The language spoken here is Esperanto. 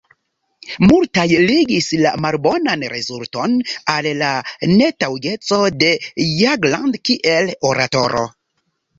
Multaj ligis la malbonan rezulton al la netaŭgeco de Jagland kiel oratoro.